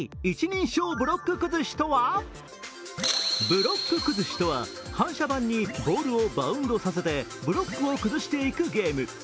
ブロック崩しとは反射板にボールをバウンドさせてブロックを崩していくゲーム。